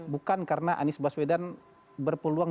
bukan karena anies baswedan berpeluang